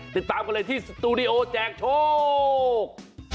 ติดตามกันเลยที่สตูดิโอแจกโชค